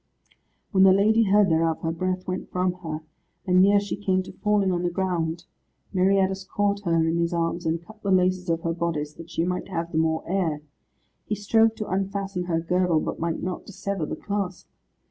When the lady heard thereof her breath went from her, and near she came to falling on the ground. Meriadus caught her in his arms, and cut the laces of her bodice, that she might have the more air. He strove to unfasten her girdle, but might not dissever the clasp.